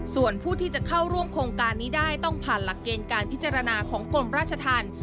ส่วนผู้ที่จะเข้าร่วมโครงการนี้ได้ต้องผ่านหลักเกณฑ์การพิจารณาของกรมราชธรรม